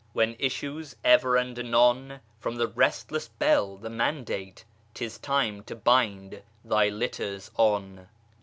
When issues ever and anon From the relentless bell the mandate, ' 'lis time to bind thy litters on